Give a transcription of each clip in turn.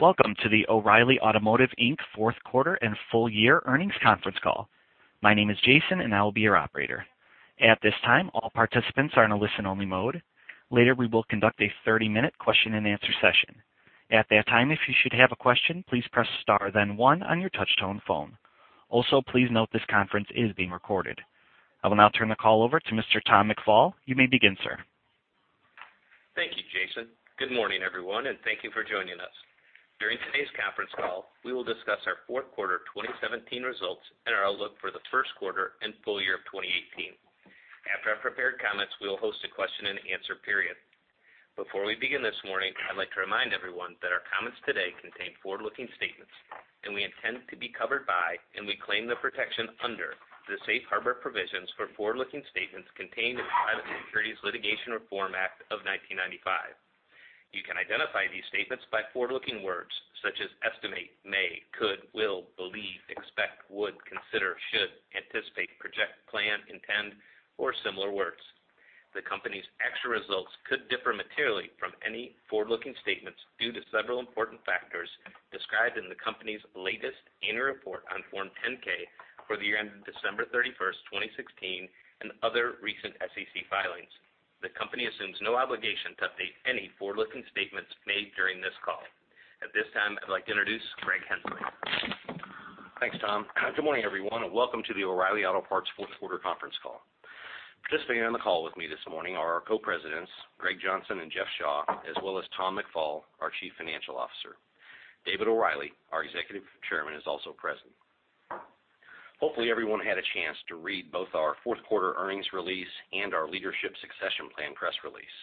Welcome to the O’Reilly Automotive Inc. fourth quarter and full year earnings conference call. My name is Jason, and I will be your operator. At this time, all participants are in a listen-only mode. Later, we will conduct a 30-minute question-and-answer session. At that time, if you should have a question, please press star then one on your touch-tone phone. Also, please note this conference is being recorded. I will now turn the call over to Mr. Tom McFall. You may begin, sir. Thank you, Jason. Good morning, everyone. Thank you for joining us. During today's conference call, we will discuss our fourth quarter 2017 results and our outlook for the first quarter and full year of 2018. After our prepared comments, we will host a question-and-answer period. Before we begin this morning, I'd like to remind everyone that our comments today contain forward-looking statements. We intend to be covered by and we claim the protection under the safe harbor provisions for forward-looking statements contained in the Private Securities Litigation Reform Act of 1995. You can identify these statements by forward-looking words such as estimate, may, could, will, believe, expect, would, consider, should, anticipate, project, plan, intend, or similar words. The company's actual results could differ materially from any forward-looking statements due to several important factors described in the company's latest annual report on Form 10-K for the year ended December 31st, 2016, and other recent SEC filings. The company assumes no obligation to update any forward-looking statements made during this call. At this time, I'd like to introduce Greg Henslee. Thanks, Tom. Good morning, everyone. Welcome to the O’Reilly Auto Parts fourth quarter conference call. Participating on the call with me this morning are our Co-Presidents, Greg Johnson and Jeff Shaw, as well as Tom McFall, our Chief Financial Officer. David O’Reilly, our Executive Chairman, is also present. Hopefully, everyone had a chance to read both our fourth quarter earnings release and our leadership succession plan press release.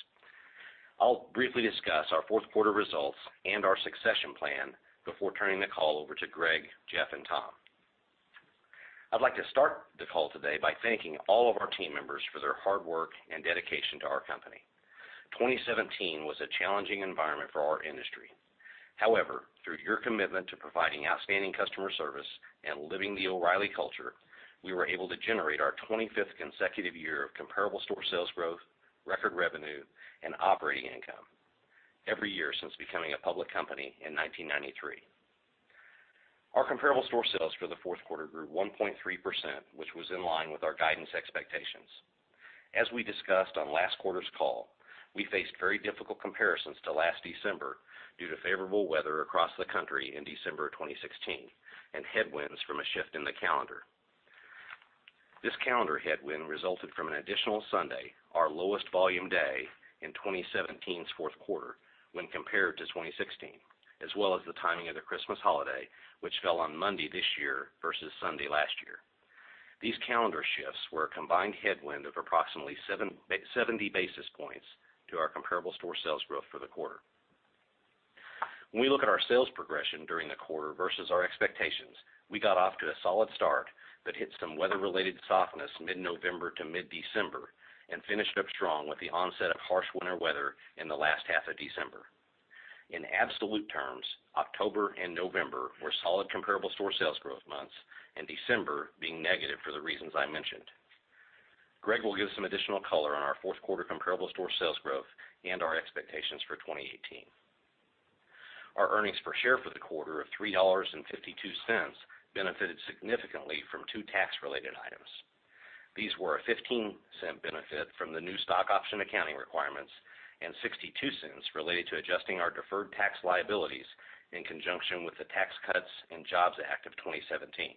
I'll briefly discuss our fourth quarter results and our succession plan before turning the call over to Greg, Jeff, and Tom. I'd like to start the call today by thanking all of our team members for their hard work and dedication to our company. 2017 was a challenging environment for our industry. Through your commitment to providing outstanding customer service and living the O'Reilly culture, we were able to generate our 25th consecutive year of comparable store sales growth, record revenue, and operating income, every year since becoming a public company in 1993. Our comparable store sales for the fourth quarter grew 1.3%, which was in line with our guidance expectations. As we discussed on last quarter's call, we faced very difficult comparisons to last December due to favorable weather across the country in December 2016 and headwinds from a shift in the calendar. This calendar headwind resulted from an additional Sunday, our lowest volume day in 2017's fourth quarter when compared to 2016, as well as the timing of the Christmas holiday, which fell on Monday this year versus Sunday last year. These calendar shifts were a combined headwind of approximately 70 basis points to our comparable store sales growth for the quarter. We look at our sales progression during the quarter versus our expectations, we got off to a solid start but hit some weather-related softness mid-November to mid-December and finished up strong with the onset of harsh winter weather in the last half of December. In absolute terms, October and November were solid comparable store sales growth months, and December being negative for the reasons I mentioned. Greg will give some additional color on our fourth quarter comparable store sales growth and our expectations for 2018. Our earnings per share for the quarter of $3.52 benefited significantly from two tax-related items. These were a $0.15 benefit from the new stock option accounting requirements and $0.62 related to adjusting our deferred tax liabilities in conjunction with the Tax Cuts and Jobs Act of 2017.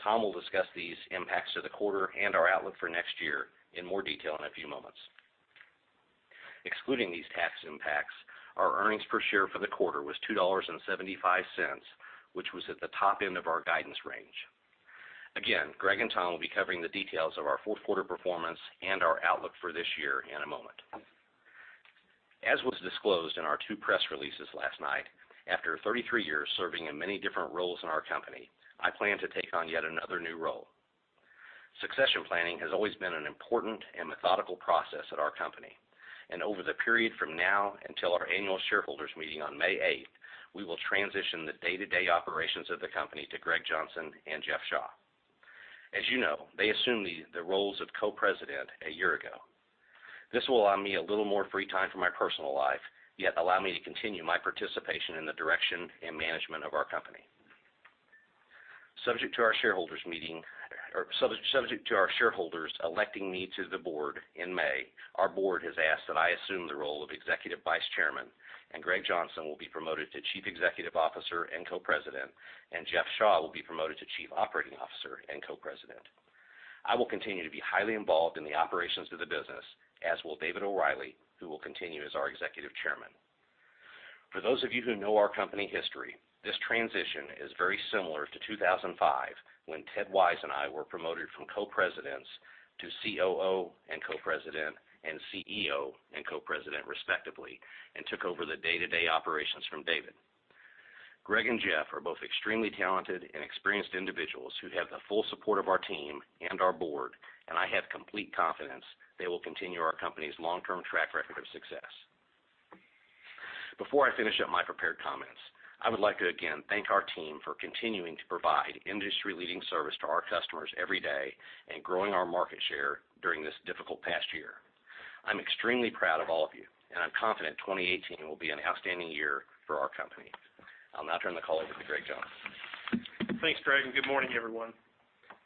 Tom will discuss these impacts to the quarter and our outlook for next year in more detail in a few moments. Excluding these tax impacts, our earnings per share for the quarter was $2.75, which was at the top end of our guidance range. Greg and Tom will be covering the details of our fourth quarter performance and our outlook for this year in a moment. As was disclosed in our two press releases last night, after 33 years serving in many different roles in our company, I plan to take on yet another new role. Succession planning has always been an important and methodical process at our company. Over the period from now until our annual shareholders meeting on May 8th, we will transition the day-to-day operations of the company to Greg Johnson and Jeff Shaw. As you know, they assumed the roles of Co-President a year ago. This will allow me a little more free time for my personal life, yet allow me to continue my participation in the direction and management of our company. Subject to our shareholders electing me to the board in May, our board has asked that I assume the role of Executive Vice Chairman, and Greg Johnson will be promoted to Chief Executive Officer and Co-President, and Jeff Shaw will be promoted to Chief Operating Officer and Co-President. I will continue to be highly involved in the operations of the business, as will David O'Reilly, who will continue as our Executive Chairman. For those of you who know our company history, this transition is very similar to 2005 when Ted Wise and I were promoted from Co-Presidents to COO and Co-President and CEO and Co-President, respectively, and took over the day-to-day operations from David. Greg and Jeff are both extremely talented and experienced individuals who have the full support of our team and our board, and I have complete confidence they will continue our company's long-term track record of success. Before I finish up my prepared comments, I would like to again thank our team for continuing to provide industry-leading service to our customers every day and growing our market share during this difficult past year. I'm extremely proud of all of you, and I'm confident 2018 will be an outstanding year for our company. I'll now turn the call over to Greg Johnson. Thanks, Greg, and good morning, everyone.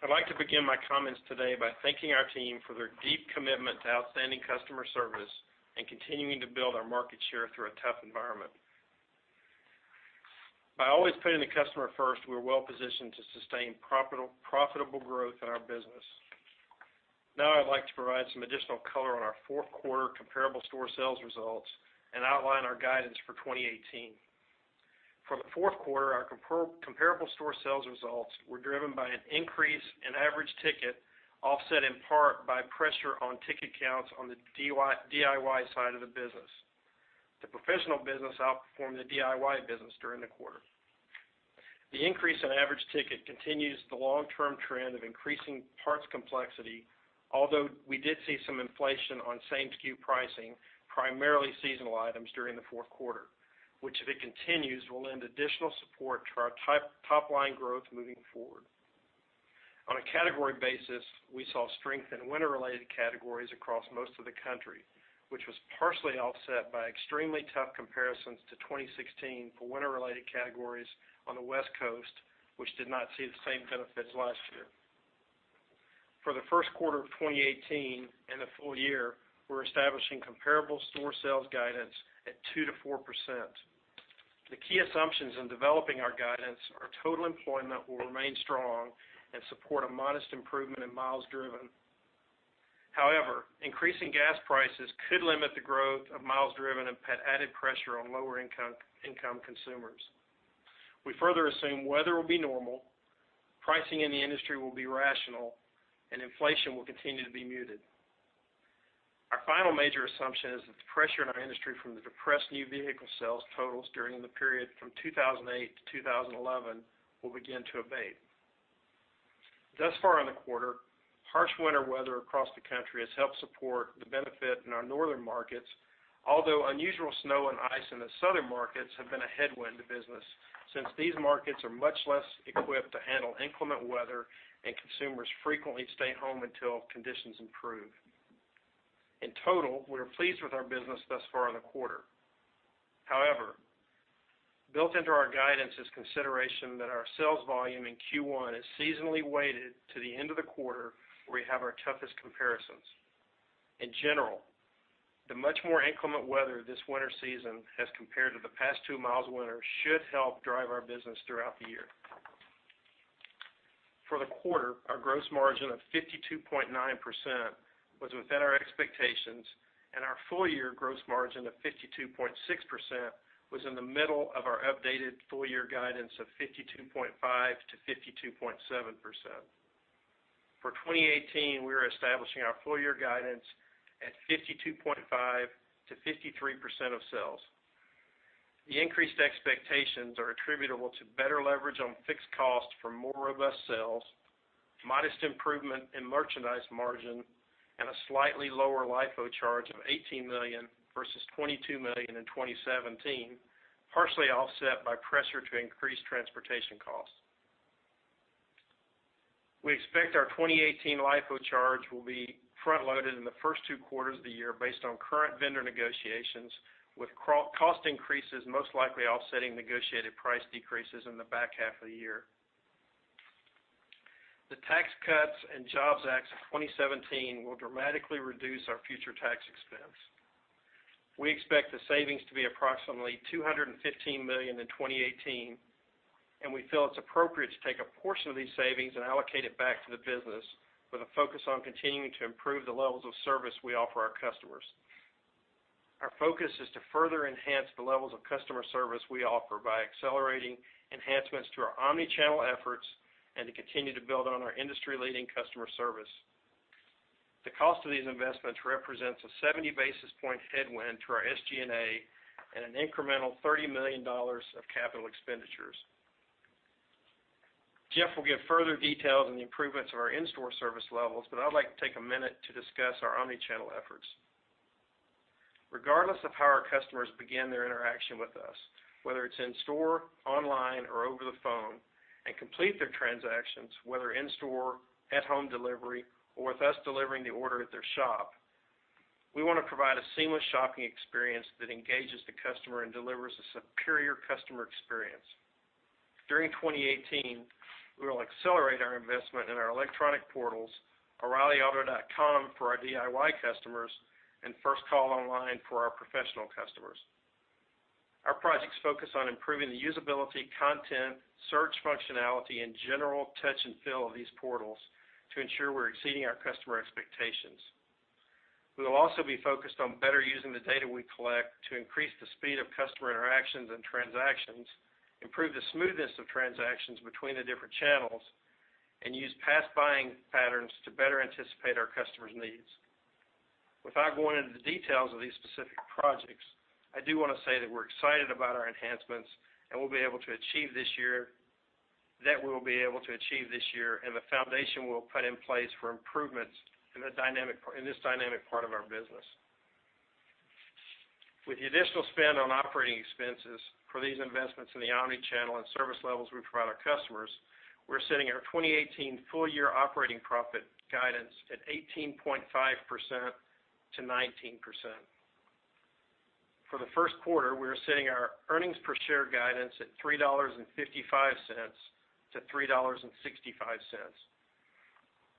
I'd like to begin my comments today by thanking our team for their deep commitment to outstanding customer service and continuing to build our market share through a tough environment. By always putting the customer first, we're well-positioned to sustain profitable growth in our business. Now, I'd like to provide some additional color on our fourth quarter comparable store sales results and outline our guidance for 2018. For the fourth quarter, our comparable store sales results were driven by an increase in average ticket, offset in part by pressure on ticket counts on the DIY side of the business. The professional business outperformed the DIY business during the quarter. The increase in average ticket continues the long-term trend of increasing parts complexity, although we did see some inflation on same-SKU pricing, primarily seasonal items during the fourth quarter, which, if it continues, will lend additional support to our top-line growth moving forward. On a category basis, we saw strength in winter-related categories across most of the country, which was partially offset by extremely tough comparisons to 2016 for winter-related categories on the West Coast, which did not see the same benefits last year. For the first quarter of 2018 and the full year, we're establishing comparable store sales guidance at 2%-4%. However, the key assumptions in developing our guidance are total employment will remain strong and support a modest improvement in miles driven. Increasing gas prices could limit the growth of miles driven and put added pressure on lower-income consumers. We further assume weather will be normal, pricing in the industry will be rational, and inflation will continue to be muted. Our final major assumption is that the pressure in our industry from the depressed new vehicle sales totals during the period from 2008 to 2011 will begin to abate. Thus far in the quarter, harsh winter weather across the country has helped support the benefit in our northern markets, although unusual snow and ice in the southern markets have been a headwind to business since these markets are much less equipped to handle inclement weather and consumers frequently stay home until conditions improve. In total, we are pleased with our business thus far in the quarter. However, built into our guidance is consideration that our sales volume in Q1 is seasonally weighted to the end of the quarter, where we have our toughest comparisons. In general, the much more inclement weather this winter season as compared to the past two mild winters should help drive our business throughout the year. For the quarter, our gross margin of 52.9% was within our expectations, and our full-year gross margin of 52.6% was in the middle of our updated full-year guidance of 52.5%-52.7%. For 2018, we are establishing our full-year guidance at 52.5%-53% of sales. The increased expectations are attributable to better leverage on fixed costs for more robust sales, modest improvement in merchandise margin, and a slightly lower LIFO charge of $18 million versus $22 million in 2017, partially offset by pressure to increase transportation costs. We expect our 2018 LIFO charge will be front-loaded in the first two quarters of the year based on current vendor negotiations, with cost increases most likely offsetting negotiated price decreases in the back half of the year. The Tax Cuts and Jobs Act of 2017 will dramatically reduce our future tax expense. We expect the savings to be approximately $215 million in 2018, and we feel it's appropriate to take a portion of these savings and allocate it back to the business with a focus on continuing to improve the levels of service we offer our customers. Our focus is to further enhance the levels of customer service we offer by accelerating enhancements to our omni-channel efforts and to continue to build on our industry-leading customer service. The cost of these investments represents a 70-basis-point headwind to our SG&A and an incremental $30 million of capital expenditures. Jeff will give further details on the improvements of our in-store service levels, but I'd like to take a minute to discuss our omni-channel efforts. Regardless of how our customers begin their interaction with us, whether it's in-store, online, or over the phone, and complete their transactions, whether in-store, at-home delivery, or with us delivering the order at their shop, we want to provide a seamless shopping experience that engages the customer and delivers a superior customer experience. During 2018, we will accelerate our investment in our electronic portals, oreillyauto.com for our DIY customers and First Call Online for our professional customers. Our projects focus on improving the usability, content, search functionality, and general touch and feel of these portals to ensure we're exceeding our customer expectations. We will also be focused on better using the data we collect to increase the speed of customer interactions and transactions, improve the smoothness of transactions between the different channels, and use past buying patterns to better anticipate our customers' needs. Without going into the details of these specific projects, I do want to say that we're excited about our enhancements that we'll be able to achieve this year and the foundation we'll put in place for improvements in this dynamic part of our business. With the additional spend on operating expenses for these investments in the omni-channel and service levels we provide our customers, we're setting our 2018 full-year operating profit guidance at 18.5%-19%. For the first quarter, we are setting our earnings per share guidance at $3.55-$3.65.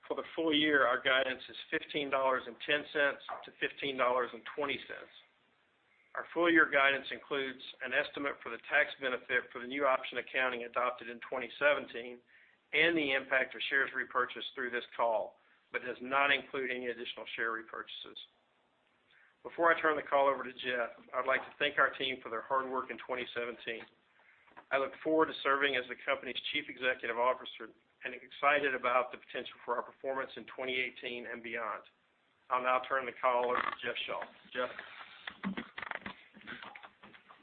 For the full year, our guidance is $15.10-$15.20. Our full-year guidance includes an estimate for the tax benefit for the new option accounting adopted in 2017, and the impact of shares repurchased through this call, but does not include any additional share repurchases. Before I turn the call over to Jeff, I'd like to thank our team for their hard work in 2017. I look forward to serving as the company's Chief Executive Officer and am excited about the potential for our performance in 2018 and beyond. I'll now turn the call over to Jeff Shaw. Jeff?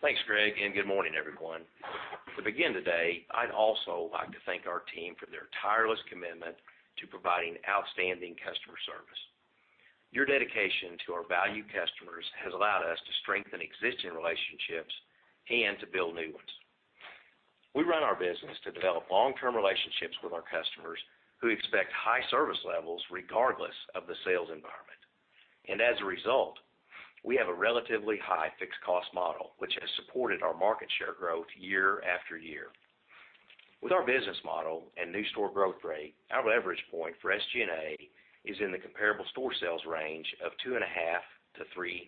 Thanks, Greg, and good morning, everyone. To begin today, I'd also like to thank our team for their tireless commitment to providing outstanding customer service. Your dedication to our valued customers has allowed us to strengthen existing relationships and to build new ones. We run our business to develop long-term relationships with our customers, who expect high service levels regardless of the sales environment. As a result, we have a relatively high fixed cost model, which has supported our market share growth year after year. With our business model and new store growth rate, our leverage point for SG&A is in the comparable store sales range of 2.5%-3%.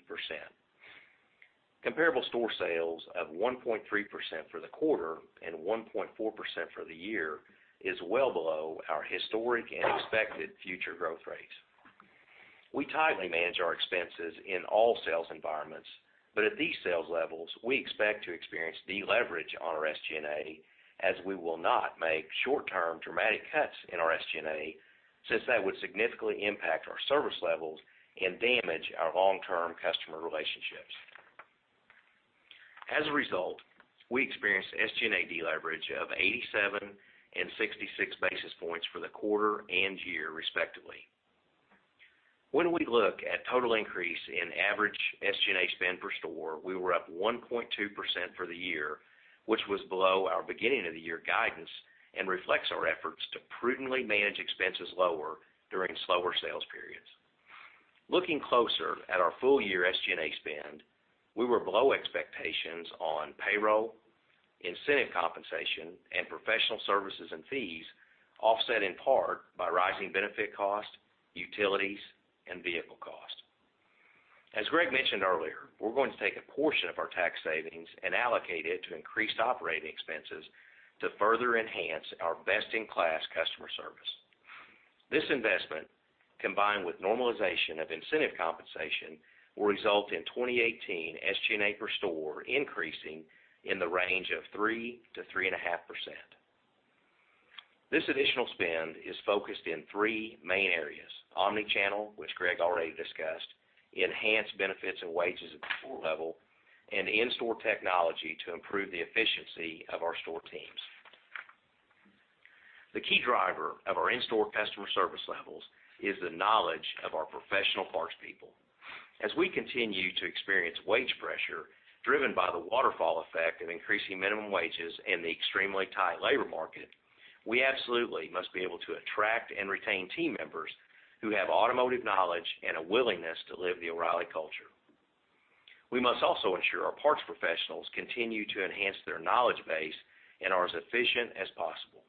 Comparable store sales of 1.3% for the quarter and 1.4% for the year is well below our historic and expected future growth rates. We tightly manage our expenses in all sales environments, at these sales levels, we expect to experience deleverage on our SG&A, as we will not make short-term dramatic cuts in our SG&A, since that would significantly impact our service levels and damage our long-term customer relationships. As a result, we experienced SG&A deleverage of 87 and 66 basis points for the quarter and year respectively. When we look at total increase in average SG&A spend per store, we were up 1.2% for the year, which was below our beginning of the year guidance and reflects our efforts to prudently manage expenses lower during slower sales periods. Looking closer at our full-year SG&A spend, we were below expectations on payroll, incentive compensation, and professional services and fees, offset in part by rising benefit costs, utilities, and vehicle costs. As Greg mentioned earlier, we're going to take a portion of our tax savings and allocate it to increased operating expenses to further enhance our best-in-class customer service. This investment, combined with normalization of incentive compensation, will result in 2018 SG&A per store increasing in the range of 3%-3.5%. This additional spend is focused in three main areas: omni-channel, which Greg already discussed, enhanced benefits and wages at the store level, and in-store technology to improve the efficiency of our store teams. The key driver of our in-store customer service levels is the knowledge of our professional parts people. As we continue to experience wage pressure driven by the waterfall effect of increasing minimum wages and the extremely tight labor market, we absolutely must be able to attract and retain team members who have automotive knowledge and a willingness to live the O’Reilly culture. We must also ensure our parts professionals continue to enhance their knowledge base and are as efficient as possible.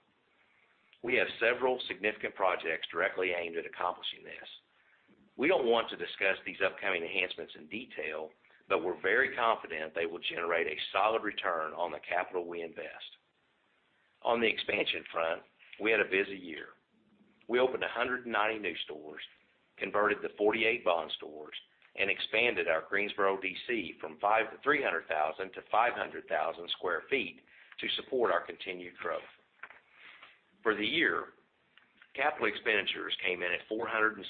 We have several significant projects directly aimed at accomplishing this. We don't want to discuss these upcoming enhancements in detail, but we're very confident they will generate a solid return on the capital we invest. On the expansion front, we had a busy year. We opened 190 new stores, converted the 48 Bond stores, and expanded our Greensboro DC from 300,000 to 500,000 square feet to support our continued growth. For the year, capital expenditures came in at $466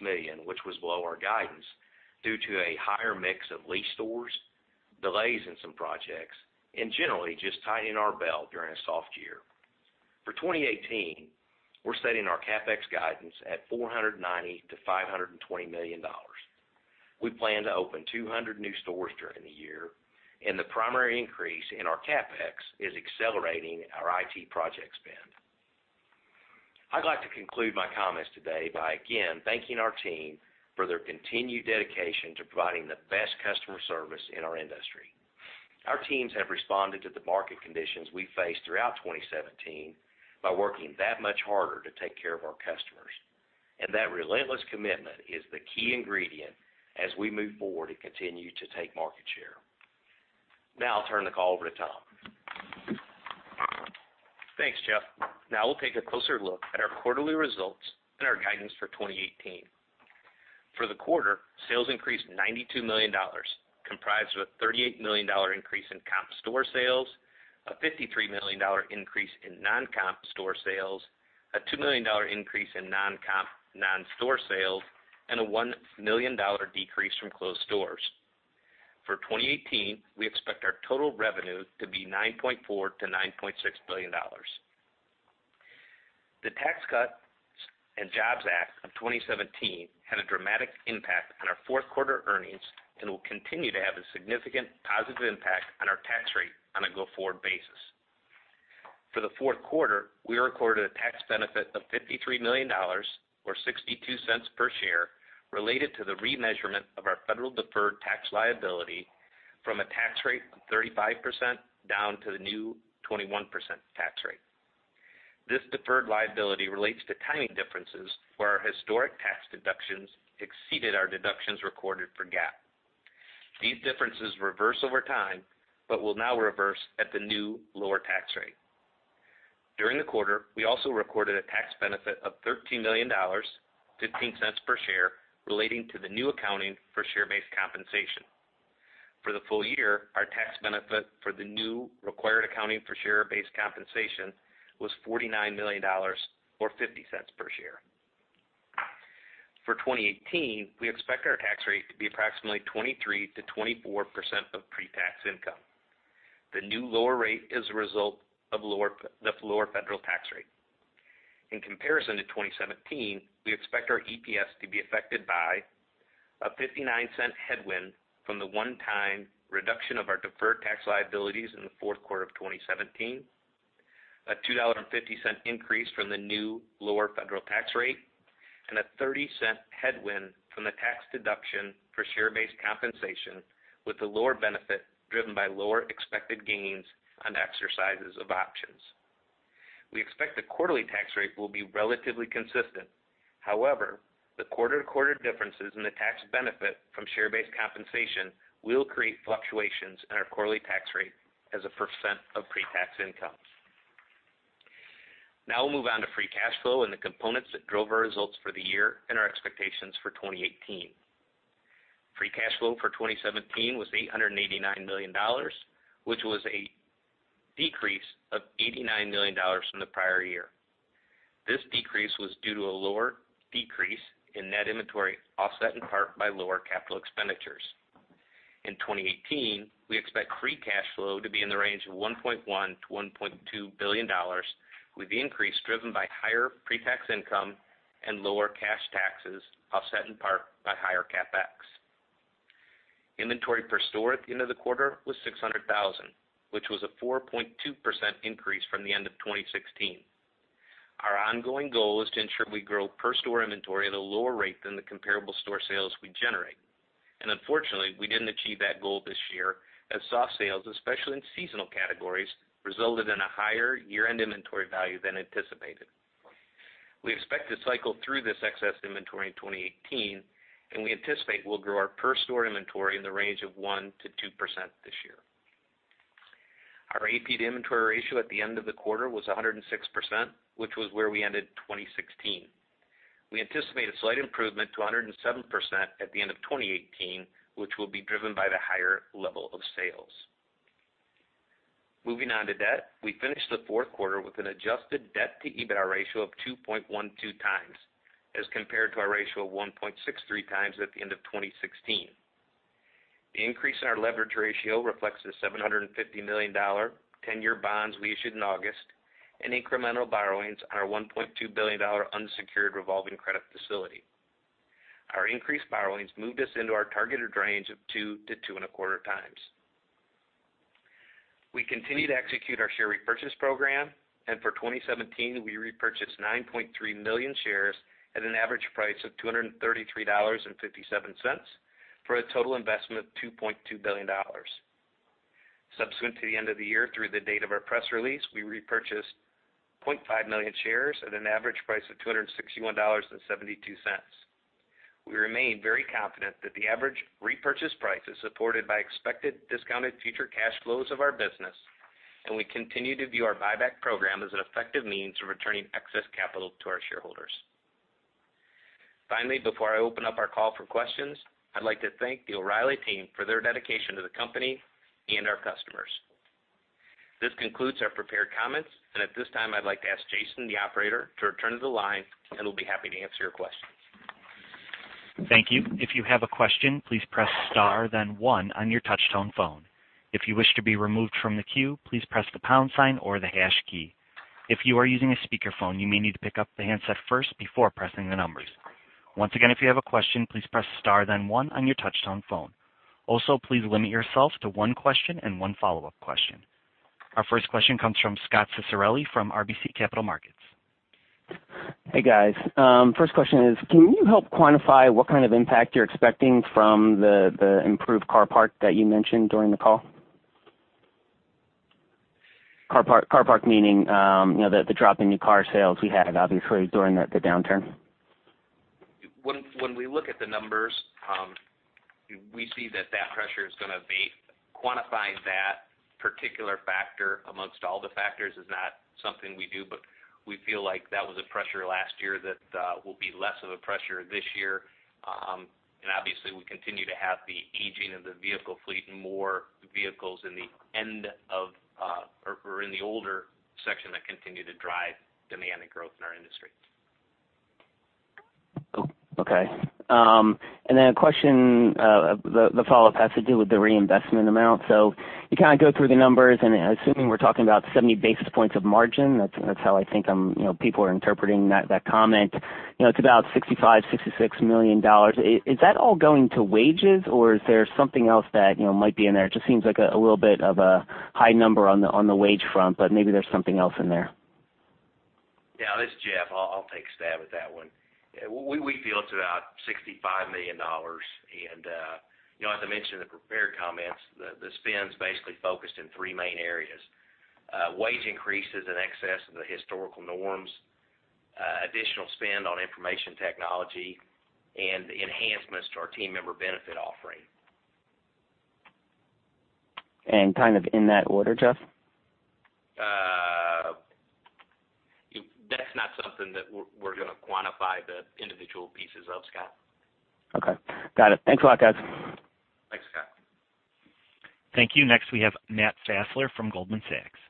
million, which was below our guidance due to a higher mix of lease stores, delays in some projects, and generally just tightening our belt during a soft year. For 2018, we're setting our CapEx guidance at $490 million-$520 million. We plan to open 200 new stores during the year, the primary increase in our CapEx is accelerating our IT project spend. I'd like to conclude my comments today by again thanking our team for their continued dedication to providing the best customer service in our industry. Our teams have responded to the market conditions we faced throughout 2017 by working that much harder to take care of our customers. That relentless commitment is the key ingredient as we move forward and continue to take market share. I'll turn the call over to Tom. Thanks, Jeff. We'll take a closer look at our quarterly results and our guidance for 2018. For the quarter, sales increased $92 million, comprised of a $38 million increase in comp store sales, a $53 million increase in non-comp store sales, a $2 million increase in non-comp non-store sales, and a $1 million decrease from closed stores. For 2018, we expect our total revenue to be $9.4 billion-$9.6 billion. The Tax Cuts and Jobs Act of 2017 had a dramatic impact on our fourth quarter earnings and will continue to have a significant positive impact on our tax rate on a go-forward basis. For the fourth quarter, we recorded a tax benefit of $53 million, or $0.62 per share, related to the remeasurement of our federal deferred tax liability from a tax rate of 35% down to the new 21% tax rate. This deferred liability relates to timing differences where our historic tax deductions exceeded our deductions recorded for GAAP. These differences reverse over time but will now reverse at the new, lower tax rate. During the quarter, we also recorded a tax benefit of $13 million, $0.15 per share, relating to the new accounting for share-based compensation. For the full year, our tax benefit for the new required accounting for share-based compensation was $49 million or $0.50 per share. For 2018, we expect our tax rate to be approximately 23%-24% of pre-tax income. The new, lower rate is a result of the lower federal tax rate. In comparison to 2017, we expect our EPS to be affected by a $0.59 headwind from the one-time reduction of our deferred tax liabilities in the fourth quarter of 2017, a $2.50 increase from the new lower federal tax rate, and a $0.30 headwind from the tax deduction for share-based compensation with the lower benefit driven by lower expected gains on exercises of options. We expect the quarterly tax rate will be relatively consistent. The quarter-to-quarter differences in the tax benefit from share-based compensation will create fluctuations in our quarterly tax rate as a percent of pre-tax income. Now we'll move on to free cash flow and the components that drove our results for the year and our expectations for 2018. Free cash flow for 2017 was $889 million, which was a decrease of $89 million from the prior year. This decrease was due to a lower decrease in net inventory, offset in part by lower capital expenditures. In 2018, we expect free cash flow to be in the range of $1.1 billion-$1.2 billion, with the increase driven by higher pre-tax income and lower cash taxes, offset in part by higher CapEx. Inventory per store at the end of the quarter was 600,000, which was a 4.2% increase from the end of 2016. Our ongoing goal is to ensure we grow per store inventory at a lower rate than the comparable store sales we generate. Unfortunately, we didn't achieve that goal this year as soft sales, especially in seasonal categories, resulted in a higher year-end inventory value than anticipated. We expect to cycle through this excess inventory in 2018, and we anticipate we'll grow our per store inventory in the range of 1%-2% this year. Our AP to inventory ratio at the end of the quarter was 106%, which was where we ended 2016. We anticipate a slight improvement to 107% at the end of 2018, which will be driven by the higher level of sales. Moving on to debt. We finished the fourth quarter with an adjusted debt-to-EBITDA ratio of 2.12 times as compared to our ratio of 1.63 times at the end of 2016. The increase in our leverage ratio reflects the $750 million 10-year bonds we issued in August and incremental borrowings on our $1.2 billion unsecured revolving credit facility. Our increased borrowings moved us into our targeted range of 2 to 2.25 times. For 2017, we repurchased 9.3 million shares at an average price of $233.57 for a total investment of $2.2 billion. Subsequent to the end of the year, through the date of our press release, we repurchased 0.5 million shares at an average price of $261.72. We remain very confident that the average repurchase price is supported by expected discounted future cash flows of our business. We continue to view our buyback program as an effective means of returning excess capital to our shareholders. Finally, before I open up our call for questions, I'd like to thank the O'Reilly team for their dedication to the company and our customers. This concludes our prepared comments, and at this time, I'd like to ask Jason, the operator, to return to the line, and we'll be happy to answer your questions. Thank you. If you have a question, please press star then one on your touch tone phone. If you wish to be removed from the queue, please press the pound sign or the hash key. If you are using a speakerphone, you may need to pick up the handset first before pressing the numbers. Once again, if you have a question, please press star then one on your touch tone phone. Also, please limit yourself to one question and one follow-up question. Our first question comes from Scot Ciccarelli from RBC Capital Markets. Hey, guys. First question is, can you help quantify what kind of impact you're expecting from the improved car park that you mentioned during the call? Car park meaning the drop in new car sales we had, obviously, during the downturn. When we look at the numbers, we see that that pressure is gonna abate. Quantifying that particular factor amongst all the factors is not something we do, but we feel like that was a pressure last year that will be less of a pressure this year. Obviously, we continue to have the aging of the vehicle fleet and more vehicles in the end of or in the older section that continue to drive demand and growth in our industry. Okay. Then a question, the follow-up has to do with the reinvestment amount. You kind of go through the numbers, and assuming we're talking about 70 basis points of margin, that's how I think people are interpreting that comment. It's about $65 million-$66 million. Is that all going to wages, or is there something else that might be in there? It just seems like a little bit of a high number on the wage front, but maybe there's something else in there. Yeah, this is Jeff. I'll take a stab at that one. We feel it's about $65 million, as I mentioned in the prepared comments, the spend's basically focused in three main areas: wage increases in excess of the historical norms, additional spend on information technology, and enhancements to our team member benefit offering. Kind of in that order, Jeff? That's not something that we're going to quantify the individual pieces of, Scot. Okay. Got it. Thanks a lot, guys. Thanks, Scot. Thank you. Next, we have Matt Fassler from Goldman Sachs.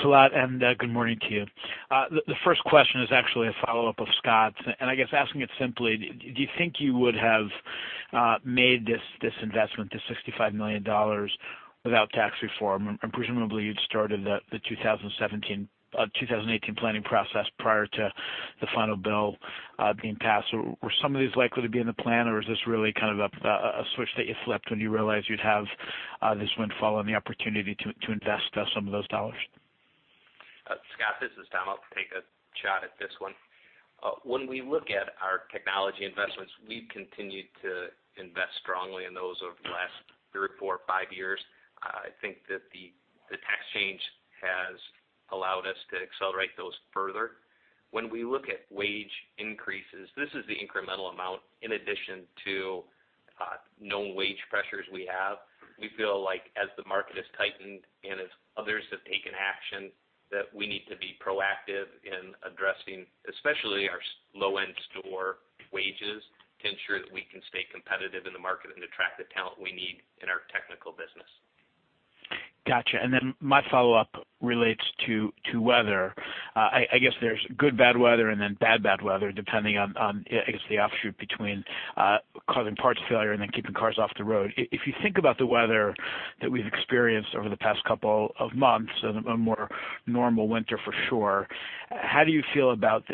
Fassler, good morning to you. The first question is actually a follow-up of Scot's. I guess asking it simply, do you think you would have made this investment, this $65 million, without tax reform? Presumably, you'd started the 2018 planning process prior to the final bill being passed. Were some of these likely to be in the plan, or is this really kind of a switch that you flipped when you realized you'd have this windfall and the opportunity to invest some of those dollars? Scot, this is Tom. I'll take a shot at this one. When we look at our technology investments, we've continued to invest strongly in those over the last three, four, five years. I think that the tax change has allowed us to accelerate those further. When we look at wage increases, this is the incremental amount in addition to known wage pressures we have. We feel like as the market has tightened and as others have taken action, that we need to be proactive in addressing, especially our low-end store wages, to ensure that we can stay competitive in the market and attract the talent we need in our technical business. Got you. Then my follow-up relates to weather. I guess there's good bad weather and then bad bad weather, depending on, I guess, the offshoot between causing parts failure, and then keeping cars off the road. If you think about the weather that we've experienced over the past couple of months, a more normal winter for sure, how do you feel about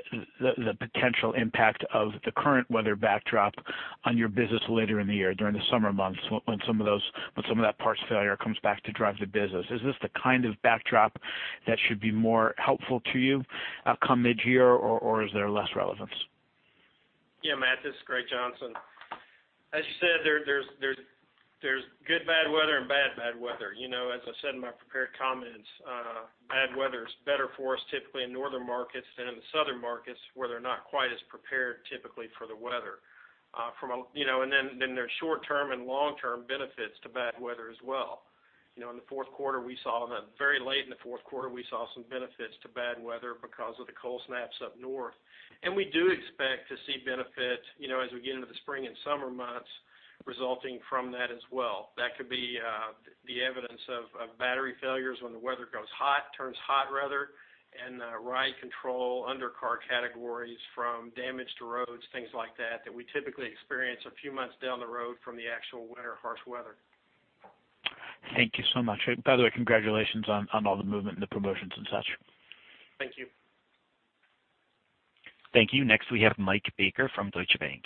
the potential impact of the current weather backdrop on your business later in the year, during the summer months when some of that parts failure comes back to drive the business? Is this the kind of backdrop that should be more helpful to you come mid-year, or is there less relevance? Yeah, Matt, this is Greg Johnson. As you said, there's good bad weather and bad bad weather. As I said in my prepared comments, bad weather is better for us typically in northern markets than in the southern markets, where they're not quite as prepared typically for the weather. Then there are short-term and long-term benefits to bad weather as well. Very late in the fourth quarter, we saw some benefits to bad weather because of the cold snaps up north. We do expect to see benefits as we get into the spring and summer months resulting from that as well. That could be the evidence of battery failures when the weather goes hot, turns hot rather, and ride control undercar categories from damage to roads, things like that we typically experience a few months down the road from the actual winter harsh weather. Thank you so much. By the way, congratulations on all the movement and the promotions and such. Thank you. Thank you. Next, we have Mike Baker from Deutsche Bank.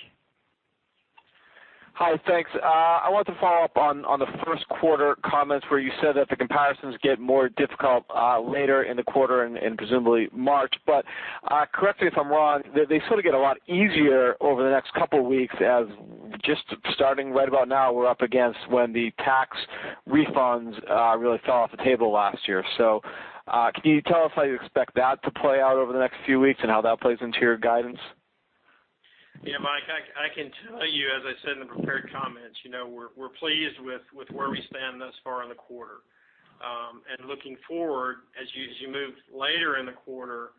Hi, thanks. I wanted to follow up on the first quarter comments where you said that the comparisons get more difficult later in the quarter and presumably March. Correct me if I'm wrong, they sort of get a lot easier over the next couple of weeks as just starting right about now, we're up against when the tax refunds really fell off the table last year. Can you tell us how you expect that to play out over the next few weeks and how that plays into your guidance? Mike, I can tell you, as I said in the prepared comments, we're pleased with where we stand thus far in the quarter. Looking forward, as you move later in the quarter,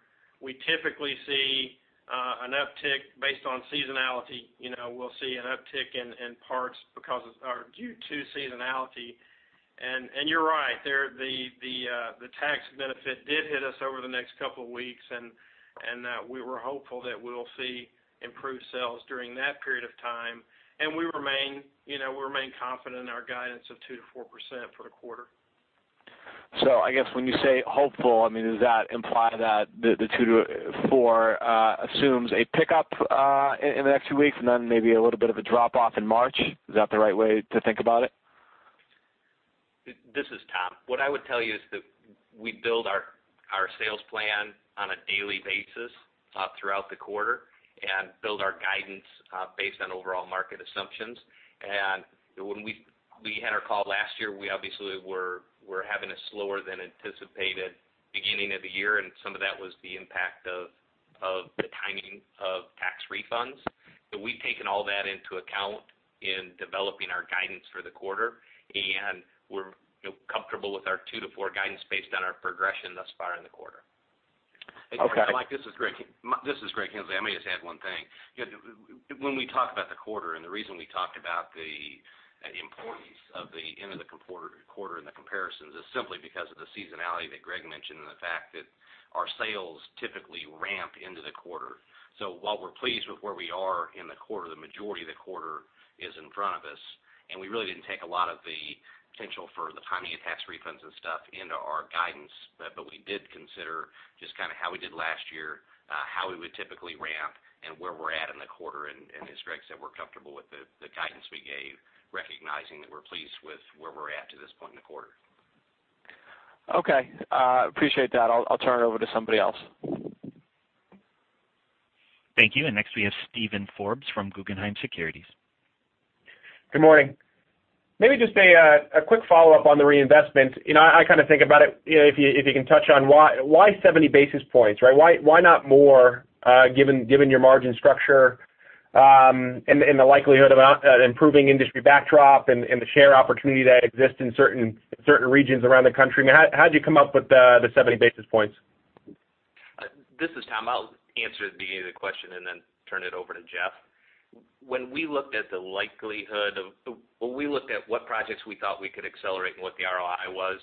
we typically see an uptick based on seasonality. We'll see an uptick in parts due to seasonality. You're right. The tax benefit did hit us over the next couple of weeks, and we were hopeful that we will see improved sales during that period of time. We remain confident in our guidance of 2% to 4% for the quarter. I guess when you say hopeful, I mean, does that imply that the 2% to 4% assumes a pickup in the next few weeks and then maybe a little bit of a drop-off in March? Is that the right way to think about it? This is Tom. What I would tell you is that we build our sales plan on a daily basis throughout the quarter and build our guidance based on overall market assumptions. When we had our call last year, we obviously were having a slower than anticipated beginning of the year, and some of that was the impact of the timing of tax refunds. We've taken all that into account in developing our guidance for the quarter, and we're comfortable with our 2% to 4% guidance based on our progression thus far in the quarter. Okay. Mike, this is Greg Henslee. I may just add one thing. When we talk about the quarter and the reason we talked about the importance of the end of the quarter and the comparisons is simply because of the seasonality that Greg mentioned and the fact that our sales typically ramp into the quarter. While we're pleased with where we are in the quarter, the majority of the quarter is in front of us, and we really didn't take a lot of the potential for the timing of tax refunds and stuff into our guidance. We did consider just how we did last year, how we would typically ramp, and where we're at in the quarter. As Greg said, we're comfortable with the guidance we gave, recognizing that we're pleased with where we're at to this point in the quarter. Okay. Appreciate that. I'll turn it over to somebody else. Thank you. Next we have Steven Forbes from Guggenheim Securities. Good morning. Maybe just a quick follow-up on the reinvestment. I think about it, if you can touch on why 70 basis points, right? Why not more, given your margin structure, and the likelihood of improving industry backdrop and the share opportunity that exists in certain regions around the country? How'd you come up with the 70 basis points? This is Tom. I'll answer the question and then turn it over to Jeff. When we looked at what projects we thought we could accelerate and what the ROI was,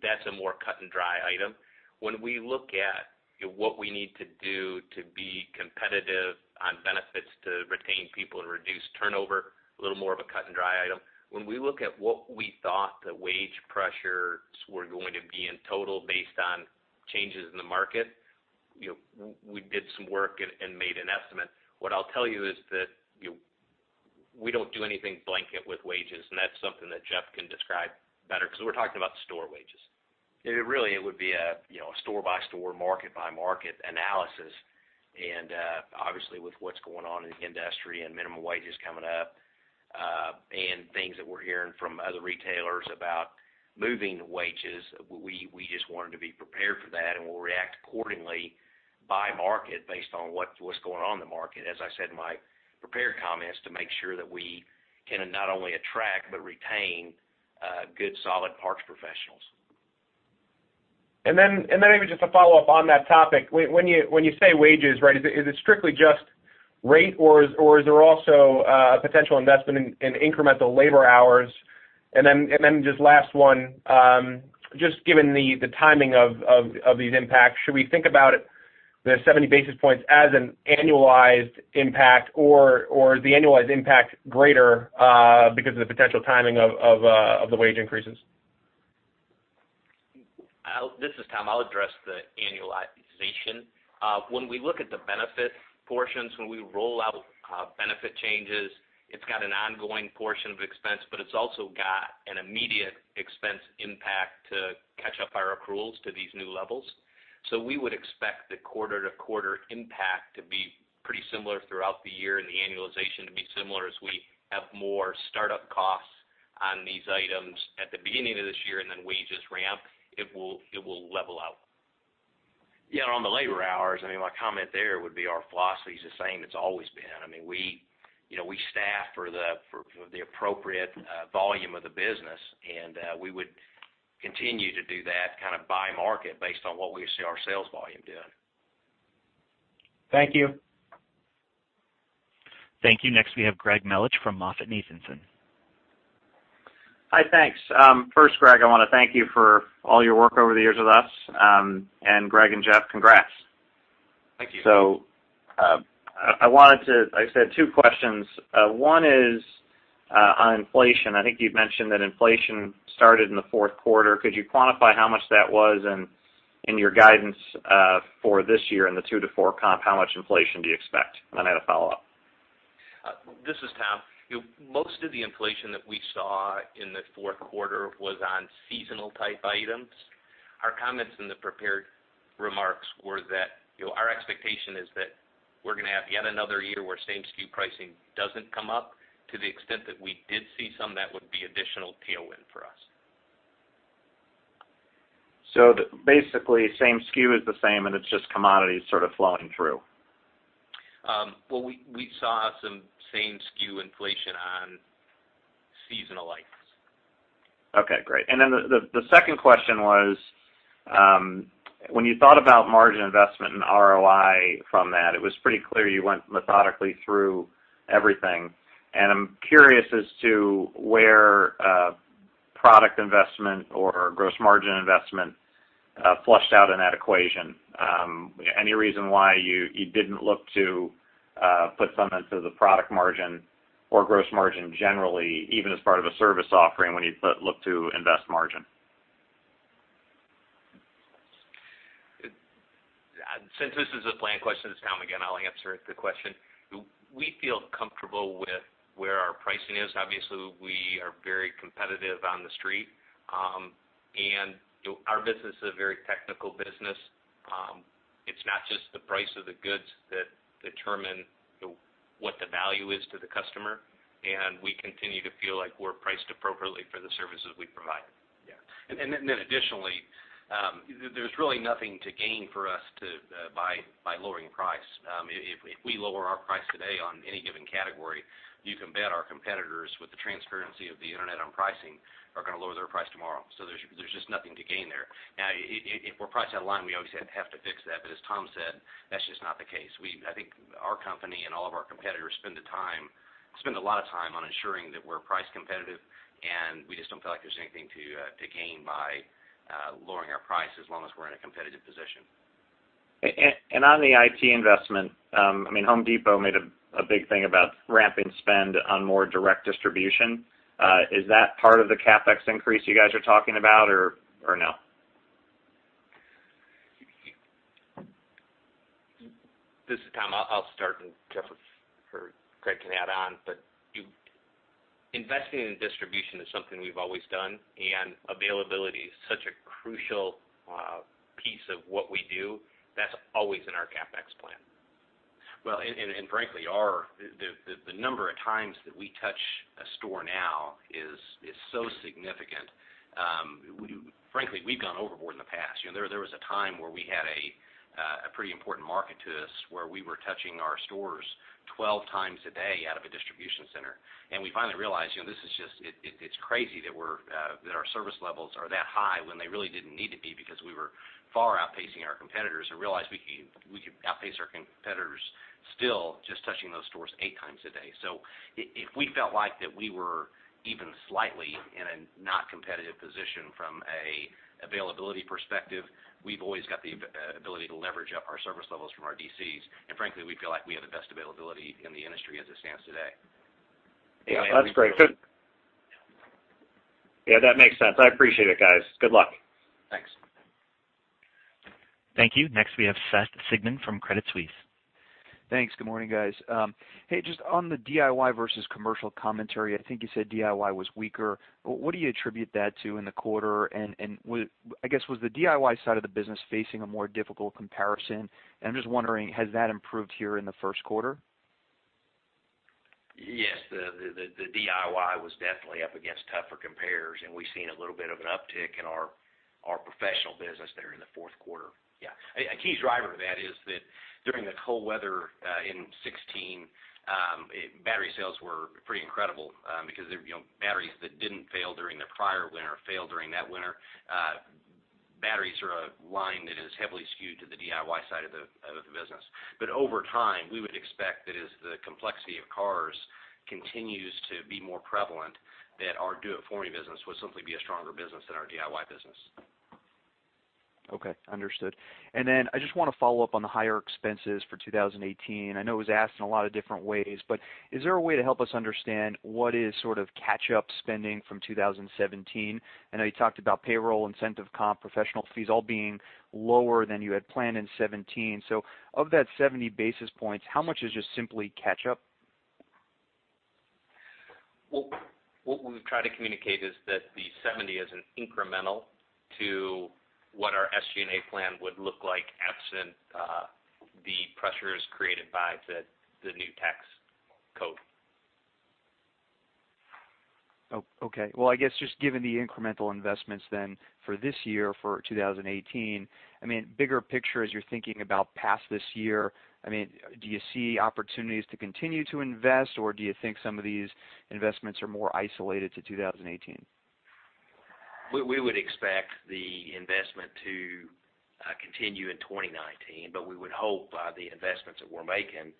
that's a more cut and dry item. When we look at what we need to do to be competitive on benefits to retain people and reduce turnover, a little more of a cut and dry item. When we look at what we thought the wage pressures were going to be in total based on changes in the market, we did some work and made an estimate. What I'll tell you is that we don't do anything blanket with wages, and that's something that Jeff can describe better because we're talking about store wages. It really would be a store-by-store, market-by-market analysis, and obviously, with what's going on in the industry and minimum wages coming up, and things that we're hearing from other retailers about moving the wages, we just wanted to be prepared for that, and we'll react accordingly by market based on what's going on in the market, as I said in my prepared comments, to make sure that we can not only attract but retain good, solid parts professionals. Maybe just a follow-up on that topic. When you say wages, is it strictly just rate, or is there also a potential investment in incremental labor hours? Just last one, just given the timing of these impacts, should we think about the 70 basis points as an annualized impact, or is the annualized impact greater because of the potential timing of the wage increases? This is Tom. I'll address the annualization. When we look at the benefit portions, when we roll out benefit changes, it's got an ongoing portion of expense, but it's also got an immediate expense impact to catch up our accruals to these new levels. We would expect the quarter-to-quarter impact to be pretty similar throughout the year and the annualization to be similar as we have more startup costs on these items at the beginning of this year, and then wages ramp, it will level out. Yeah, on the labor hours, my comment there would be our philosophy is the same it's always been. We staff for the appropriate volume of the business, and we would continue to do that by market based on what we see our sales volume doing. Thank you. Thank you. Next, we have Greg Melich from MoffettNathanson. Hi, thanks. First, Greg, I want to thank you for all your work over the years with us. Greg and Jeff, congrats. Thank you. I said two questions. One is on inflation. I think you'd mentioned that inflation started in the fourth quarter. Could you quantify how much that was and your guidance for this year in the 2%-4% comp, how much inflation do you expect? I had a follow-up. This is Tom. Most of the inflation that we saw in the fourth quarter was on seasonal type items. Our comments in the prepared remarks were that our expectation is that we're going to have yet another year where same SKU pricing doesn't come up. To the extent that we did see some, that would be additional tailwind for us. Basically, same SKU is the same, and it's just commodities sort of flowing through. Well, we saw some same SKU inflation on seasonal items. Okay, great. The second question was, when you thought about margin investment and ROI from that, it was pretty clear you went methodically through everything, I'm curious as to where product investment or gross margin investment flushed out in that equation. Any reason why you didn't look to put some into the product margin or gross margin generally, even as part of a service offering when you look to invest margin? Since this is a blank question, it's Tom again, I'll answer the question. We feel comfortable with where our pricing is. Obviously, we are very competitive on the street. Our business is a very technical business. It's not just the price of the goods that determine what the value is to the customer, and we continue to feel like we're priced appropriately for the services we provide. Yeah. Additionally, there's really nothing to gain for us by lowering price. If we lower our price today on any given category You can bet our competitors, with the transparency of the internet on pricing, are going to lower their price tomorrow. There's just nothing to gain there. Now, if we're priced out of line, we always have to fix that, but as Tom said, that's just not the case. I think our company and all of our competitors spend a lot of time on ensuring that we're price competitive, and we just don't feel like there's anything to gain by lowering our price as long as we're in a competitive position. On the IT investment, Home Depot made a big thing about ramping spend on more direct distribution. Is that part of the CapEx increase you guys are talking about or no? This is Tom. I'll start and Jeff or Greg can add on. Investing in distribution is something we've always done, and availability is such a crucial piece of what we do. That's always in our CapEx plan. Frankly, the number of times that we touch a store now is so significant. Frankly, we've gone overboard in the past. There was a time where we had a pretty important market to us where we were touching our stores 12 times a day out of a distribution center. We finally realized, it's crazy that our service levels are that high when they really didn't need to be because we were far outpacing our competitors and realized we could outpace our competitors still just touching those stores eight times a day. If we felt like that we were even slightly in a non-competitive position from an availability perspective, we've always got the ability to leverage up our service levels from our DCs. Frankly, we feel like we have the best availability in the industry as it stands today. Yeah, that's great. Yeah, that makes sense. I appreciate it, guys. Good luck. Thanks. Thank you. Next, we have Seth Sigman from Credit Suisse. Thanks. Good morning, guys. Hey, just on the DIY versus commercial commentary, I think you said DIY was weaker. What do you attribute that to in the quarter? I guess, was the DIY side of the business facing a more difficult comparison? I'm just wondering, has that improved here in the first quarter? Yes. The DIY was definitely up against tougher compares. We've seen a little bit of an uptick in our professional business there in the fourth quarter. A key driver of that is that during the cold weather in 2016, battery sales were pretty incredible because batteries that didn't fail during the prior winter failed during that winter. Batteries are a line that is heavily skewed to the DIY side of the business. Over time, we would expect that as the complexity of cars continues to be more prevalent, that our do-it-for-me business would simply be a stronger business than our DIY business. Okay. Understood. I just want to follow up on the higher expenses for 2018. I know it was asked in a lot of different ways. Is there a way to help us understand what is sort of catch-up spending from 2017? I know you talked about payroll, incentive comp, professional fees all being lower than you had planned in 2017. Of that 70 basis points, how much is just simply catch-up? What we've tried to communicate is that the 70 is an incremental to what our SG&A plan would look like absent the pressures created by the new tax code. Okay. I guess just given the incremental investments for this year, for 2018, bigger picture as you're thinking about past this year, do you see opportunities to continue to invest, or do you think some of these investments are more isolated to 2018? We would expect the investment to continue in 2019. We would hope by the investments that we're making,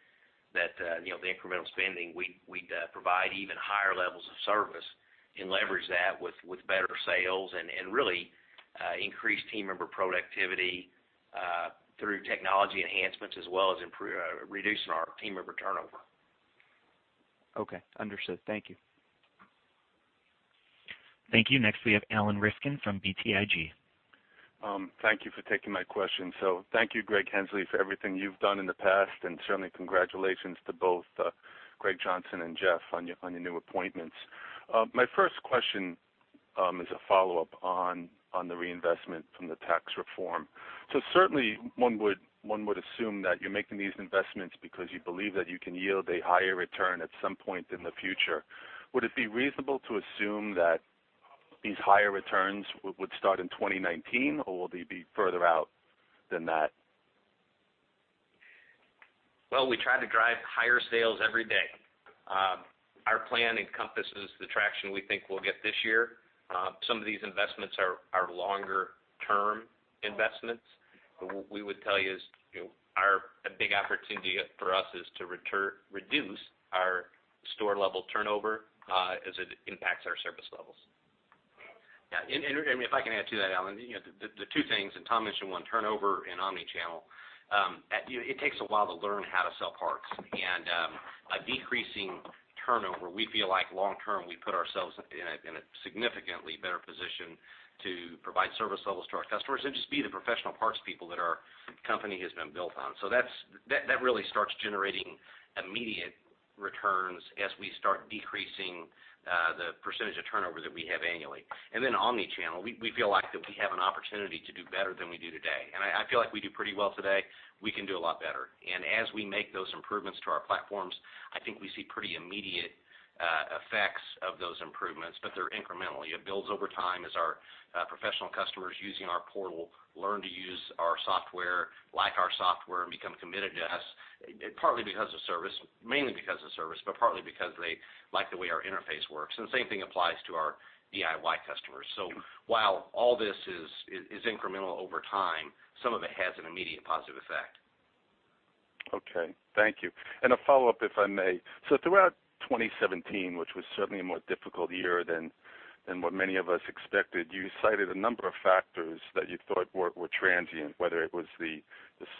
that the incremental spending, we'd provide even higher levels of service and leverage that with better sales and really increase team member productivity through technology enhancements as well as reducing our team member turnover. Okay. Understood. Thank you. Thank you. Next, we have Alan Rifkin from BTIG. Thank you for taking my question. Thank you, Greg Henslee, for everything you've done in the past, and certainly congratulations to both Greg Johnson and Jeff on your new appointments. My first question is a follow-up on the reinvestment from the tax reform. Certainly, one would assume that you're making these investments because you believe that you can yield a higher return at some point in the future. Would it be reasonable to assume that these higher returns would start in 2019, or will they be further out than that? Well, we try to drive higher sales every day. Our plan encompasses the traction we think we'll get this year. Some of these investments are longer-term investments. What we would tell you is a big opportunity for us is to reduce our store-level turnover as it impacts our service levels. Yeah. If I can add to that, Alan. The two things, and Tom mentioned one, turnover and omni-channel. It takes a while to learn how to sell parts and by decreasing turnover, we feel like long-term, we put ourselves in a significantly better position to provide service levels to our customers and just be the professional parts people that our company has been built on. That really starts generating immediate returns as we start decreasing the percentage of turnover that we have annually. We feel like that we have an opportunity to do better than we do today. I feel like we do pretty well today. We can do a lot better. As we make those improvements to our platforms, I think we see pretty immediate effects of those improvements, but they're incremental. It builds over time as our professional customers using our portal learn to use our software, like our software, and become committed to us, mainly because of service, but partly because they like the way our interface works. The same thing applies to our DIY customers. While all this is incremental over time, some of it has an immediate positive effect. Okay. Thank you. A follow-up, if I may. Throughout 2017, which was certainly a more difficult year than what many of us expected, you cited a number of factors that you thought were transient, whether it was the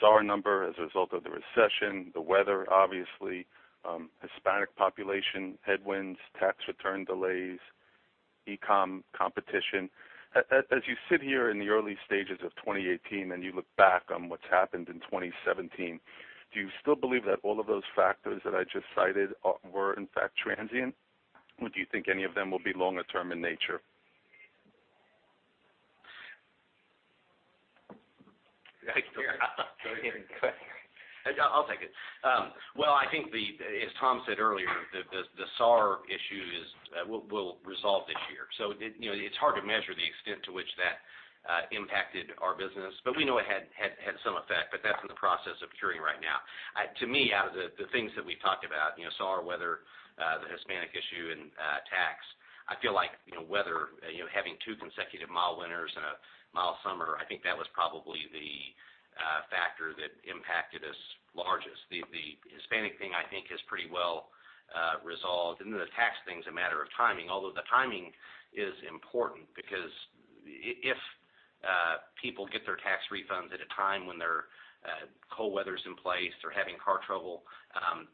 SAR number as a result of the recession, the weather, obviously, Hispanic population headwinds, tax return delays, e-com competition. As you sit here in the early stages of 2018 and you look back on what's happened in 2017, do you still believe that all of those factors that I just cited were in fact transient? Do you think any of them will be longer term in nature? Go ahead. I'll take it. Well, I think as Tom said earlier, the SAR issue will resolve this year. It's hard to measure the extent to which that impacted our business, but we know it had some effect, but that's in the process of curing right now. To me, out of the things that we've talked about, SAR, weather, the Hispanic issue, and tax, I feel like weather, having two consecutive mild winters and a mild summer, I think that was probably the factor that impacted us largest. The Hispanic thing, I think, is pretty well resolved. The tax thing is a matter of timing, although the timing is important because if people get their tax refunds at a time when cold weather's in place, they're having car trouble,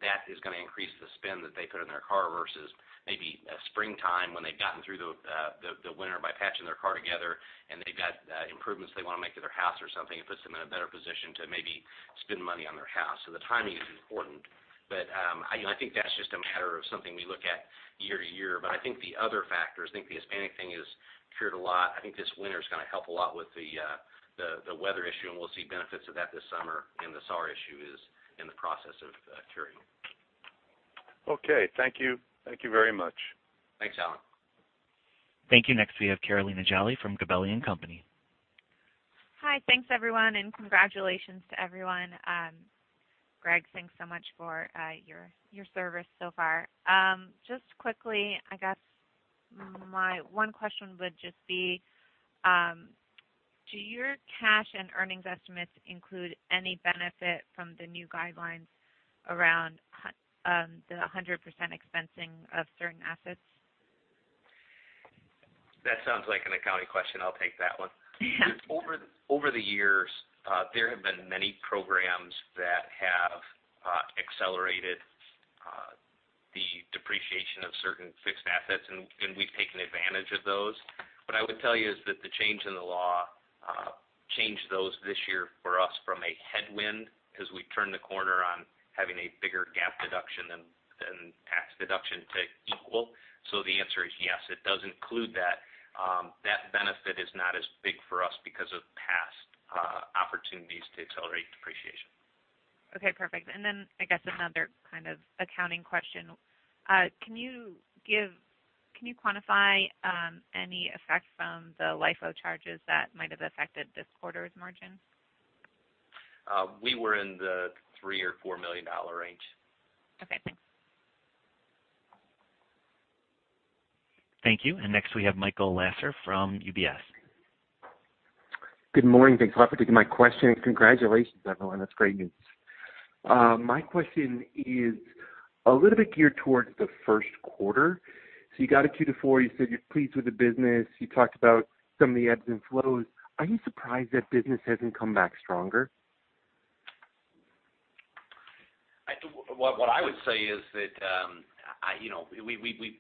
that is going to increase the spend that they put in their car versus maybe springtime when they've gotten through the winter by patching their car together, and they've got improvements they want to make to their house or something. It puts them in a better position to maybe spend money on their house. The timing is important, but I think that's just a matter of something we look at year to year. I think the other factors, I think the Hispanic thing is cured a lot. I think this winter is going to help a lot with the weather issue, and we'll see benefits of that this summer, and the SAR issue is in the process of curing. Okay. Thank you. Thank you very much. Thanks, Alan. Thank you. Next, we have Carolina Jolly from Gabelli & Company. Hi. Thanks, everyone, and congratulations to everyone. Greg, thanks so much for your service so far. Just quickly, I guess my one question would just be, do your cash and earnings estimates include any benefit from the new guidelines around the 100% expensing of certain assets? That sounds like an accounting question. I'll take that one. Over the years, there have been many programs that have accelerated the depreciation of certain fixed assets, and we've taken advantage of those. What I would tell you is that the change in the law changed those this year for us from a headwind as we turn the corner on having a bigger GAAP deduction than tax deduction to equal. The answer is yes, it does include that. That benefit is not as big for us because of past opportunities to accelerate depreciation. Okay, perfect. I guess another kind of accounting question. Can you quantify any effect from the LIFO charges that might have affected this quarter's margin? We were in the $3 or $4 million range. Okay, thanks. Thank you. Next we have Michael Lasser from UBS. Good morning. Thanks a lot for taking my questions. Congratulations, everyone. That's great news. My question is a little bit geared towards the first quarter. You got a 2%-4%, you said you're pleased with the business. You talked about some of the ebbs and flows. Are you surprised that business hasn't come back stronger? What I would say is that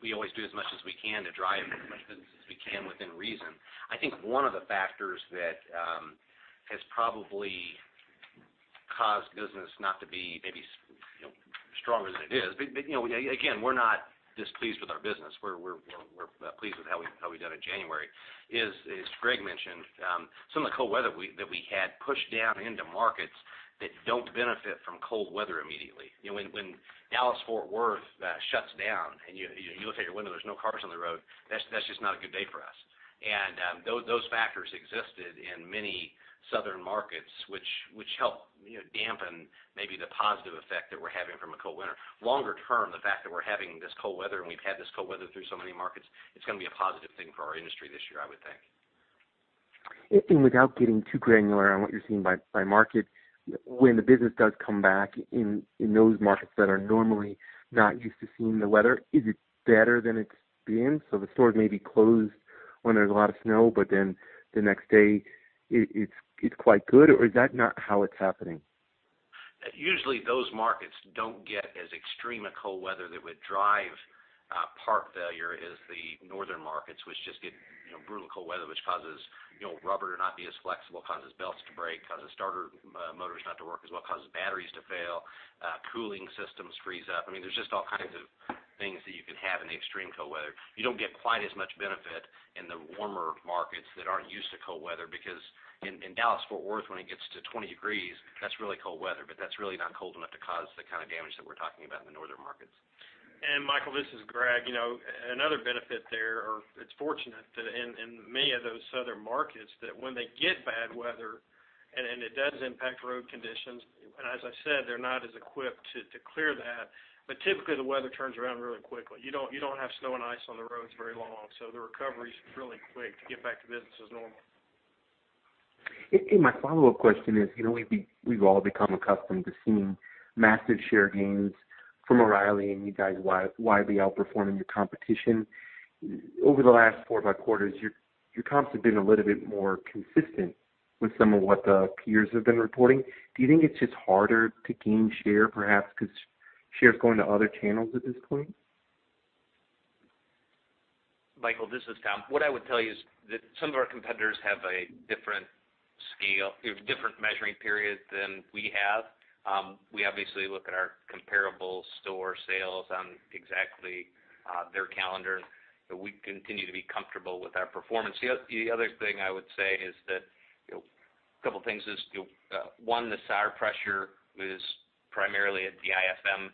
we always do as much as we can to drive as much business as we can within reason. I think one of the factors that has probably caused business not to be maybe stronger than it is, but again, we're not displeased with our business. We're pleased with how we've done in January, is, as Greg mentioned, some of the cold weather that we had pushed down into markets that don't benefit from cold weather immediately. When Dallas-Fort Worth shuts down and you look out your window, there's no cars on the road, that's just not a good day for us. Those factors existed in many southern markets, which help dampen maybe the positive effect that we're having from a cold winter. Longer term, the fact that we're having this cold weather and we've had this cold weather through so many markets, it's going to be a positive thing for our industry this year, I would think. Without getting too granular on what you're seeing by market, when the business does come back in those markets that are normally not used to seeing the weather, is it better than it's been? The stores may be closed when there's a lot of snow, but then the next day it's quite good? Is that not how it's happening? Usually those markets don't get as extreme a cold weather that would drive a part failure as the northern markets, which just get brutal cold weather, which causes rubber to not be as flexible, causes belts to break, causes starter motors not to work as well, causes batteries to fail, cooling systems freeze up. There's just all kinds of things that you can have in the extreme cold weather. You don't get quite as much benefit in the warmer markets that aren't used to cold weather because in Dallas-Fort Worth, when it gets to 20 degrees, that's really cold weather, but that's really not cold winter to cause the kind of damage that we're talking about in the northern markets. Michael, this is Greg. Another benefit there, or it's fortunate that in many of those southern markets that when they get bad weather, and it does impact road conditions, and as I said, they're not as equipped to clear that, but typically the weather turns around really quickly. You don't have snow and ice on the roads very long, so the recovery's really quick to get back to business as normal. My follow-up question is, we've all become accustomed to seeing massive share gains from O'Reilly and you guys widely outperforming your competition. Over the last 4 quarters, your comps have been a little bit more consistent with some of what the peers have been reporting. Do you think it's just harder to gain share, perhaps because share's going to other channels at this point? Michael, this is Tom. What I would tell you is that some of our competitors have a different scale, different measuring periods than we have. We obviously look at our comparable store sales on exactly their calendar, but we continue to be comfortable with our performance. The other thing I would say is that, a couple things is, one, the tire pressure is primarily a DIFM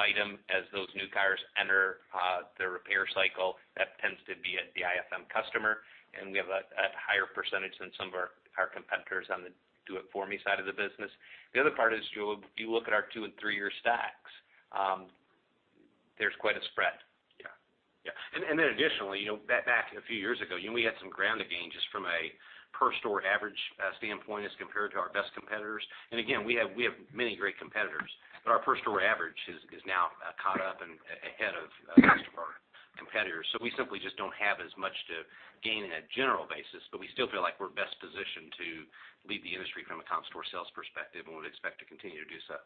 item as those new tires enter the repair cycle. That tends to be a DIFM customer, and we have a higher percentage than some of our competitors on the do-it-for-me side of the business. The other part is, if you look at our two and three-year stacks, there's quite a spread. Yeah. Additionally, back a few years ago, we had some ground to gain just from a per store average standpoint as compared to our best competitors. Again, we have many great competitors, but our per store average has now caught up and ahead of most of our competitors. We simply just don't have as much to gain in a general basis, but we still feel like we're best positioned to lead the industry from a comp store sales perspective, and would expect to continue to do so.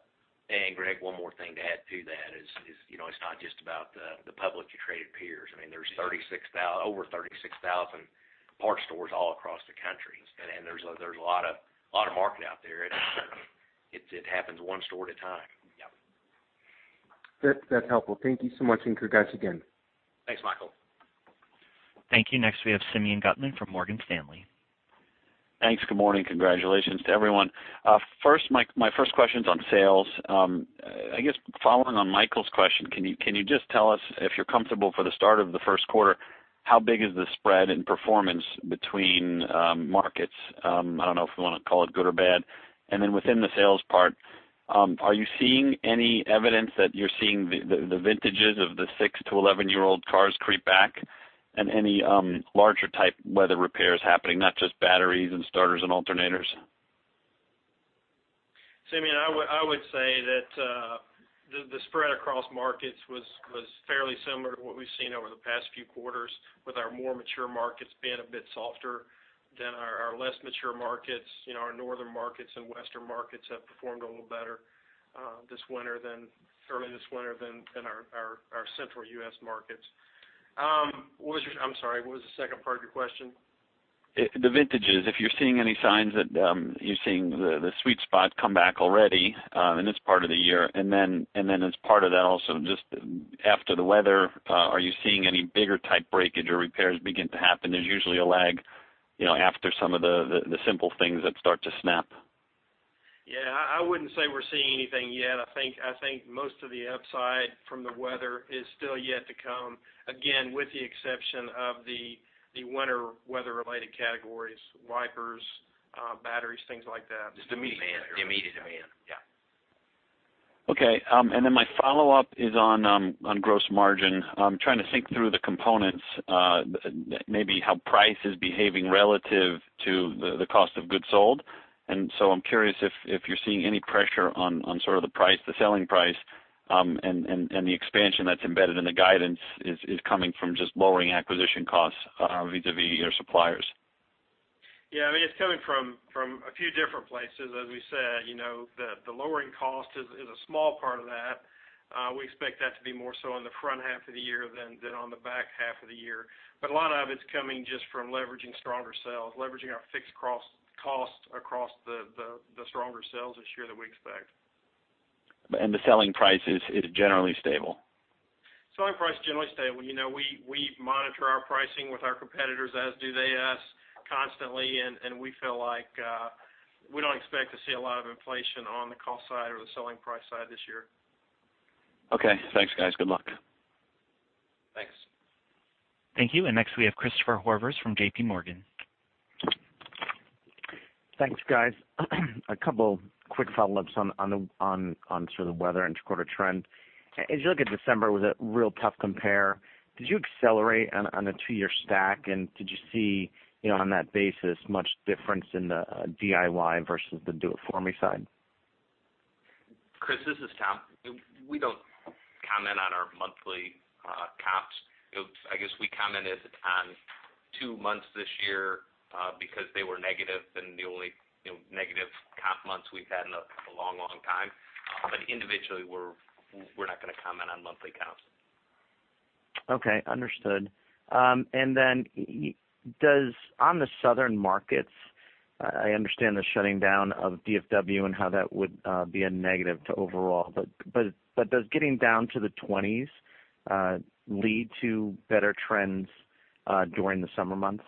Greg, one more thing to add to that is, it's not just about the publicly traded peers. There's over 36,000 parts stores all across the country, and there's a lot of market out there, and it happens one store at a time. Yep. That's helpful. Thank you so much, and congrats again. Thanks, Michael. Thank you. Next, we have Simeon Gutman from Morgan Stanley. Thanks. Good morning. Congratulations to everyone. My first question's on sales. I guess following on Michael's question, can you just tell us, if you're comfortable for the start of the first quarter, how big is the spread in performance between markets? I don't know if we want to call it good or bad. Within the sales part, are you seeing any evidence that you're seeing the vintages of the six to 11-year-old cars creep back and any larger type weather repairs happening, not just batteries and starters and alternators? Simeon, I would say that the spread across markets was fairly similar to what we've seen over the past few quarters, with our more mature markets being a bit softer than our less mature markets. Our northern markets and western markets have performed a little better early this winter than our central U.S. markets. I'm sorry, what was the second part of your question? The vintages, if you're seeing any signs that you're seeing the sweet spot come back already in this part of the year, and then as part of that also, just after the weather, are you seeing any bigger type breakage or repairs begin to happen? There's usually a lag after some of the simple things that start to snap. Yeah. I wouldn't say we're seeing anything yet. I think most of the upside from the weather is still yet to come, again, with the exception of the winter weather-related categories, wipers, batteries, things like that. Just immediate demand. Yeah. My follow-up is on gross margin. I'm trying to think through the components, maybe how price is behaving relative to the cost of goods sold. I'm curious if you're seeing any pressure on sort of the selling price, and the expansion that's embedded in the guidance is coming from just lowering acquisition costs vis-a-vis your suppliers. Yeah. It's coming from a few different places. As we said, the lowering cost is a small part of that. We expect that to be more so on the front half of the year than on the back half of the year. A lot of it's coming just from leveraging stronger sales, leveraging our fixed costs across the stronger sales this year that we expect. The selling price is generally stable? Selling price is generally stable. We monitor our pricing with our competitors, as do they us, constantly, we feel like we don't expect to see a lot of inflation on the cost side or the selling price side this year. Okay. Thanks, guys. Good luck. Thanks. Thank you. Next we have Christopher Horvers from JPMorgan. Thanks, guys. A couple quick follow-ups on sort of the weather interquarter trend. As you look at December, it was a real tough compare. Did you accelerate on a two-year stack, and did you see, on that basis, much difference in the DIY versus the do-it-for-me side? Chris, this is Tom. We don't comment on our monthly comps. I guess we commented on two months this year because they were negative and the only negative comp months we've had in a long time. Individually, we're not going to comment on monthly comps. Okay, understood. On the southern markets, I understand the shutting down of DFW and how that would be a negative to overall, but does getting down to the 20s lead to better trends during the summer months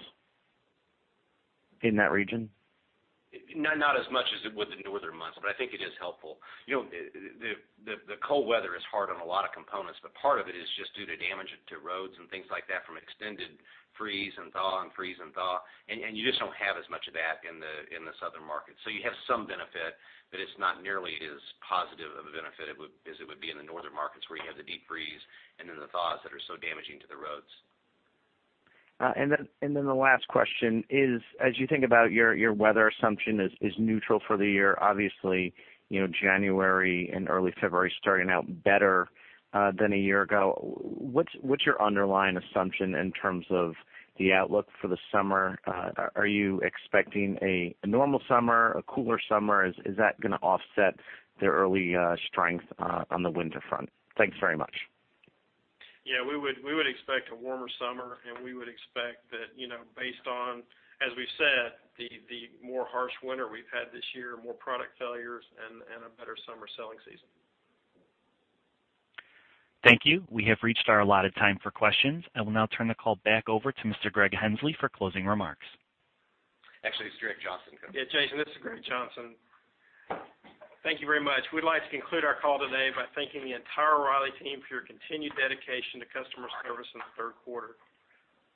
in that region? Not as much as with the northern months, but I think it is helpful. The cold weather is hard on a lot of components, but part of it is just due to damage to roads and things like that from extended freeze and thaw. You just don't have as much of that in the southern market. You have some benefit, but it's not nearly as positive of a benefit as it would be in the northern markets where you have the deep freeze and then the thaws that are so damaging to the roads. The last question is, as you think about your weather assumption is neutral for the year. Obviously, January and early February starting out better than a year ago. What's your underlying assumption in terms of the outlook for the summer? Are you expecting a normal summer, a cooler summer? Is that going to offset the early strength on the winter front? Thanks very much. Yeah, we would expect a warmer summer we would expect that based on, as we've said, the more harsh winter we've had this year, more product failures and a better summer selling season. Thank you. We have reached our allotted time for questions. I will now turn the call back over to Mr. Greg Henslee for closing remarks. Actually, it's Greg Johnson. Yeah, Jason, this is Greg Johnson. Thank you very much. We'd like to conclude our call today by thanking the entire O'Reilly team for your continued dedication to customer service in the third quarter.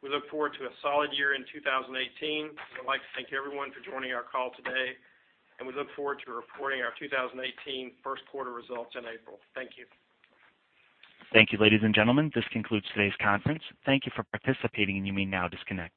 We look forward to a solid year in 2018. We look forward to reporting our 2018 first quarter results in April. Thank you. Thank you, ladies and gentlemen. This concludes today's conference. Thank you for participating, and you may now disconnect.